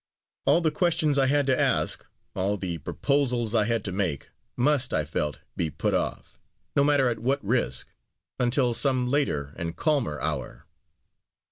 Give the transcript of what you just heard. All the questions I had to ask; all the proposals I had to make, must, I felt, be put off no matter at what risk until some later and calmer hour.